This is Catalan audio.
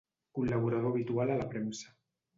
Col·laborador habitual a la premsa.